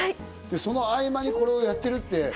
その合間にこれをやってるって。